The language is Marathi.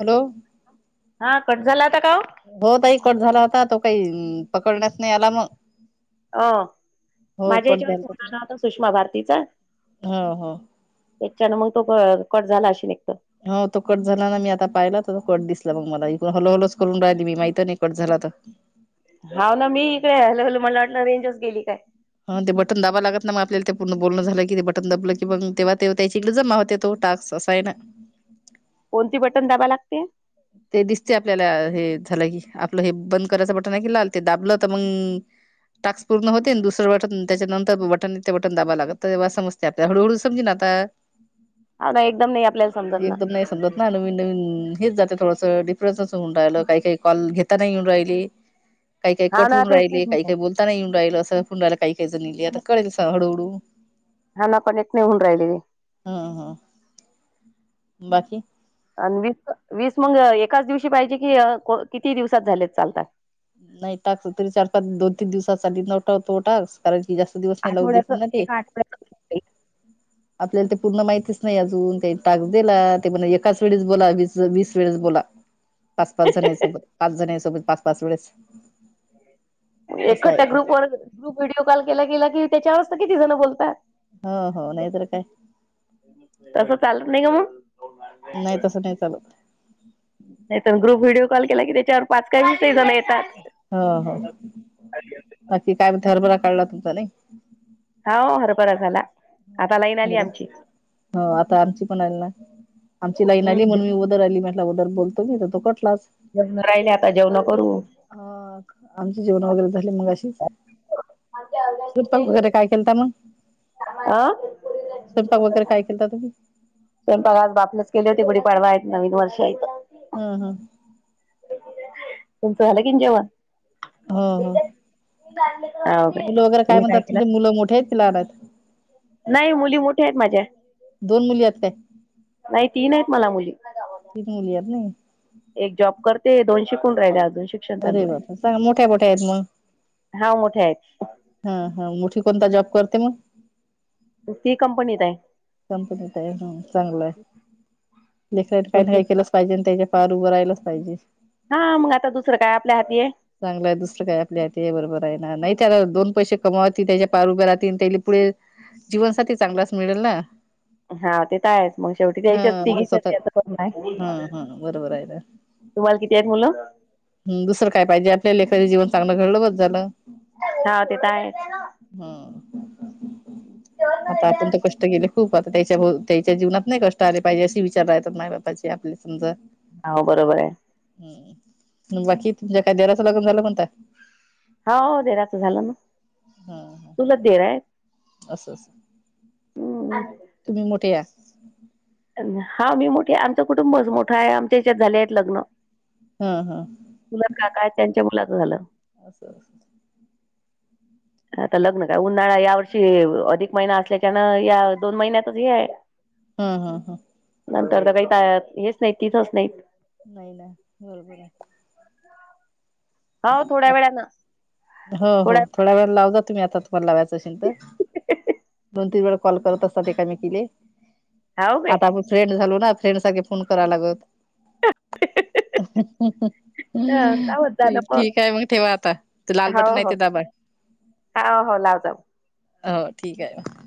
हॅलो. हा, कट झाला आता का वो? हो ताई, कट झाला होता. तो काही पकडण्यास नाही आला मग. अ हो माझ्या कट ह्याच्यावर झाला फोन तो. आला होता. सुषमा भारतीचा. हो हो तेच्यान मग तो क कट झाला अशीन एक तर. हो तो कट झाला ना. मी आता पाहिला त कट दिसला. मग मला इकून हॅलो- हॅलोच करून राहिली मी. माहित अ नाही कट झाला तर. हाव ना. मी इकडे हॅलो- हॅलो मला वाटलं, रेंजच गेली काय. हा, ते बटन दाबा लागत ना, मग आपल्याला ते पूर्ण बोलण झालं की, ते बटन दबलं की बग, तेव्हा ते त्याच्या इकडे जमा होते तो टास्क. ससायनं. कोणती बटन दाबा लागते? ते दिसते आपल्याला अ हे झालं की. आपलं हे बंद करायचं बटनाय कि लाल, ते दाबलं तर मंग टाक्स पूर्ण होते. न दुसरं बटन त्याच्यानंतर बटनय ते बटन दाबावं लागत. तेव्हा समजते आपल्या. हळूहळू समजेन आता. हाव ना. एकदम नाही, आपल्याला समजत ना. एकदम नाही समजत ना नवीन- नवीन हेच जातं थोडंसं. डिफरन्सच होऊन राहिलं. काही- काही कॉल घेत नाही येऊन राहिले. काही- काही हा कट ना होवून राहिले. काही- तेच काही बोल आता नाही येऊन राहिल. असं फुंडायला काही- काही जनिलि. आता कळेलच अस हळूहळू. हा, ना. कनेक्ट नाही होऊ राहिले. हम्म, हम्. बाकी? अन् वीस- वीस मंग अ एकाच दिवशी पाहिजे की, अ किती दिवसात झाले त चालतात. नाही टॉक्स तरी चार- पाच, दोन तीन दिवसात सा नऊ टा होतो टास्क. कारण की, जास्त दिवस नाही लागू देत आठवड्याचं नं ते. एका आठवड्याचं आपल्याला ते पूर्ण माहितीच नाही अजून. काही टास्क दिला ते पण, एकाच वेळेस बोला, वीस - वीस वेळेस बोला. पाच- पाच जणांसोबत. पाच जणांसोबत पाच -पाच वेळेस. असं आहे एकखठ्या ते ग्रुपवर, ग्रुप व्हिडिओ कॉल केला गेला कि, त्याच्याव च त किती जण बोलतात. हो, हो. नाय तर काय? तसं चालत नाही का मग? नाही, तसं नाही चालत. नाय तर ग्रुप व्हिडिओ कॉल केला की, त्याच्यावर पाच काय, विसही जण येतात. हो, हो. बाकी काय मनते? हरभरा काढला तुमचा, नाही? हाव, हरभरा झाला. हो. आता लाईन आली आमची हो, आता आमची पण आली ना. आमची लाईन हम्म आली म्हणून मी व दरअली म्हटला अगोदर बोलतो मी. तर तो कटलाच. जेवणं राहिले, आता जेवणं करू. ह. आमची जेवणं वगैरे झाली मगाशीच. स्वयपाक वगैरे, काय केलता मग? आ? स्वयपाक वगैरे, काय केलता तुम्ही? स्वयंपाक आज बापलेच केले होते. गुडीपाडवाय, नवीन वर्षयात. हम्म, हम्म. तुमचं झालं की न जेवन? हो, हो. हो काय मुलं वैगेरे काय तुम्ही म्हणतात केलं तुमची? मुल मोठे आहेत की लहानायत. नाही मुली मोठ्या आहेत माझ्या. दोन मुली आहेत काय? नाही तीन आहेत मला मुली. तीन मुली आहेत नई. एक जॉब करते दोन शिकुन राहिल्या आजुन शिक अरे बापा चांग मोठ्या मोठ्या आहेत मग. हा, मोठ्या आहेत. हां, हा मोठी कोणता जॉब करते मग? मग ती कंपनीत आहे. कंपनीत आहे हं चांगलं आहे, लेकरायनी काही तुमची? नाही केलंस पाहिजेन त्यायच्या पायावर उभं राहिलंच पाहिजे. हा, मंग आता दुसरं काय आपल्या हाती आहे. चांगलं आहे, दुसरं काय आपल्या हाती आहे, बरोबर आहे ना नाही त्याला दोन पैसे कमावती त्यायच्या पायावर ऊभ्या राहतीन, त्यायले पुढे जीवनसाथी चांगलाच मिळेल ना. हां, ते तर आहेच मग शेवटी हा त्यायच्याच मग ते स्वतः तिघीसाठी असं करन आहे. हा हा बरोबर आहे ना तुम्हाला किती आहेत मुलं? हूं, दुसरं काय पाहिजे आपल्या लेकराचे जीवन चांगलं घडलं बस झालं. हा ते तर आहेच हम्म, आता आपण तर कष् ष्ट गेले खूप आता त्यायच्या भोव त्यायच्या जीवनात नाही कष्ट आले पाहिजे, असे विचार राहतात माय बापाचे आपले समजा हाव बरोबर आहे. हम्म. मग बाकी तुमच्या काय देराचं लगन झालं म्हणताय? हाव देराचं झालं ना, हा हा चुलत देर आहे, असं असं. उम्म. तुम्ही मोठे या. हा, मी मोठी आहे आमचं कुटुंबच मोठ आहे, आमच्या हेच्यात झाले आहेत लग्न. हां, हा. चुलत काका आहेत, त्यांच्या मुलाच झालं. असं असं. आता लग्न काय उन्हाळा या वर्षी, अधिक महिना असल्याच्यान या दोन महिन्यातच हे आहे. हम्म, हम्म, हम. नंतर तर त काही ता हेच नाहीत, तिथंच नाहीत. नाही ना बरोबर आहे. हाव थोड्या वेळानं. हो, हो, थोड्या वेळानं लावजा, तुम्ही आता तुम्हाला लावायचं असेन तर. दोन-तीन वेळा कॉल करत असतात एका मेकीले. हो काय आता आपुण फ्रेंड झालो ना फ्रेंड सारखे फोन कराव लागत. ह लावत जा ठी ना ठीक आहे मग ठेवा आता. ते लाल हो बटन आहे हो ते दाबा, हो हो लाव जाऊ हो ठीक आहे.